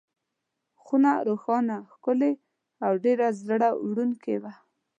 خونه روښانه، ښکلې او ډېره زړه وړونکې وه.